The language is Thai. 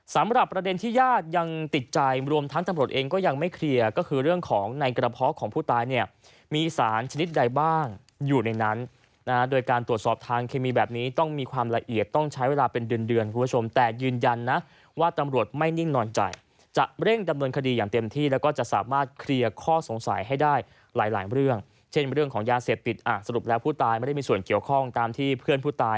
สำหรับประเด็นที่ญาติยังติดใจรวมทั้งตำรวจเองก็ยังไม่เคลียร์ก็คือเรื่องของในกระเพาะของผู้ตายเนี่ยมีสารชนิดใดบ้างอยู่ในนั้นโดยการตรวจสอบทางเคมีแบบนี้ต้องมีความละเอียดต้องใช้เวลาเป็นเดือนคุณผู้ชมแต่ยืนยันนะว่าตำรวจไม่นิ่งนอนใจจะเร่งดำเนินคดีอย่างเต็มที่แล้วก็จะสามารถเคลียร์